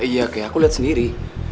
iya kayak aku lihat sendiri